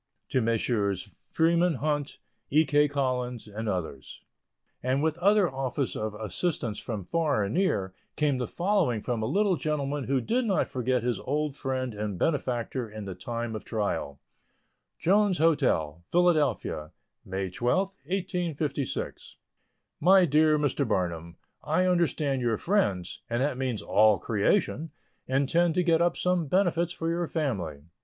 To Messrs. FREEMAN HUNT, E. K. COLLINS, and others. And with other offers of assistance from far and near, came the following from a little gentleman who did not forget his old friend and benefactor in the time of trial: JONES' HOTEL, PHILADELPHIA, May 12, 1856. MY DEAR MR. BARNUM, I understand your friends, and that means "all creation," intend to get up some benefits for your family.